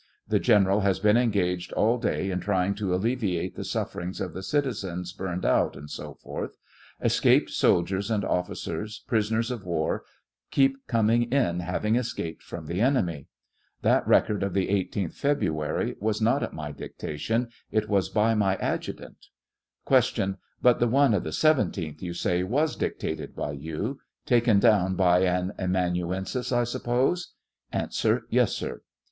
The General has been engaged all day in trying to alleviate the suffer ings of the citizens burned out, &c. Escaped soldiers and officers, prisoners of war, keep coming in, having escaped from the enemy. That record of the 18th February was not at my dictation ; it was by my adjutant. Q. But the one of the 17th you say was dictated by you ; taken down by an amanuensis, I suppose ? A. Tes, sir.